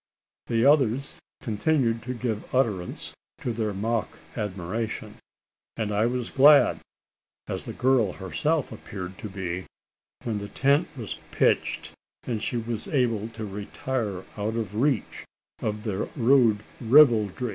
The others continued to give utterance to their mock admiration; and I was glad as the girl herself appeared to be when the tent was pitched, and she was able to retire out of reach of their rude ribaldry.